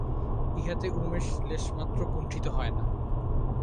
ইহাতে উমেশ লেশমাত্র কুণ্ঠিত হয় না।